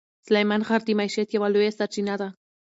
سلیمان غر د معیشت یوه لویه سرچینه ده.